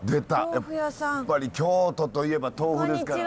やっぱり京都といえば豆腐ですから。